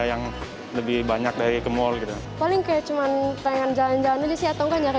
yang lebih banyak dari kemol gitu paling kayak cuman pengen jalan jalan aja sih atau ncari